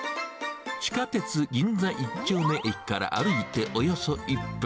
地下鉄銀座一丁目駅から歩いておよそ１分。